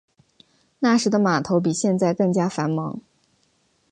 那时的码头比现在更加繁忙。